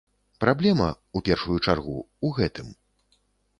Праблема, у першую чаргу, у гэтым.